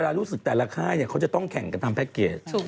เวลารู้สึกแต่ละค่ายเนี่ยเขาจะต้องแข่งกันตามแพ็คเกจ